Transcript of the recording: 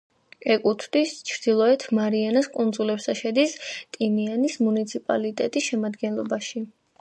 ეკუთვნის ჩრდილოეთ მარიანას კუნძულებს და შედის ტინიანის მუნიციპალიტეტის შემადგენლობაში.